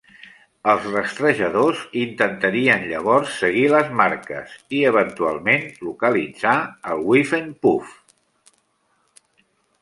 Els rastrejadors intentarien llavors seguir les marques, i eventualment localitzar el Whiffenpoof.